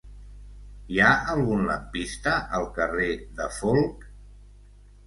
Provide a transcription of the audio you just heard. Hi ha algun lampista al carrer de Folc?